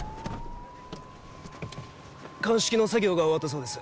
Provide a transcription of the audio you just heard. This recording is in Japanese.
鑑識の作業が終わったそうです。